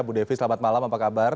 bu devi selamat malam apa kabar